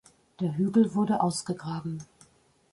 Der Hügel wurde ausgegraben.